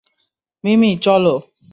মিমি, চলো।